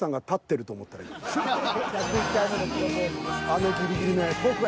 あのギリギリのやつ。